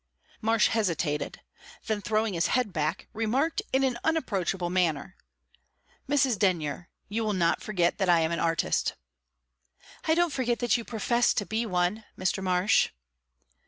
Marsh hesitated; then, throwing his head back, remarked in an unapproachable manner: "Mrs. Denyer, you will not forget that I am an artist." "I don't forget that you profess to be one, Mr. Marsh."